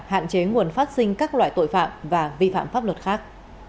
hạn chế nguồn phát sinh các loại tội phạm và vi phạm pháp luật khác